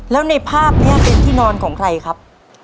แล้วในภาพนี้เป็นที่นอนของใครครับ